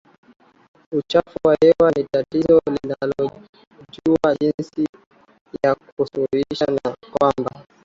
uchafuzi wa hewa ni tatizo tunalojua jinsi ya kusuhulisha na kwamba